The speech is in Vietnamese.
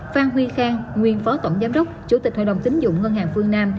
phan huy khang nguyên phó tổng giám đốc chủ tịch hội đồng tính dụng ngân hàng phương nam